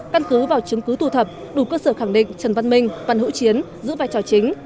căn cứ vào chứng cứ thu thập đủ cơ sở khẳng định trần văn minh văn hữu chiến giữ vai trò chính